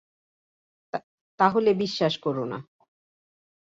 তাহলে বিশ্বাস করোনা।